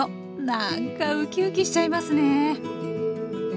なんかウキウキしちゃいますね